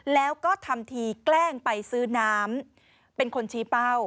แล้วก็ทำทีแกล้งไปซื้อน้ำเป็นคนชี้เป้า